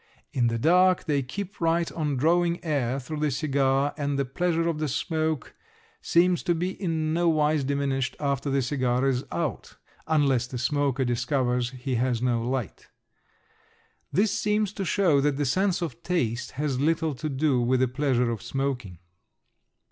In the dark they keep right on drawing air through the cigar, and the pleasure of the smoke seems to be in nowise diminished after the cigar is out unless the smoker discovers he has no light. This seems to show that the sense of taste has little to do with the pleasure of smoking.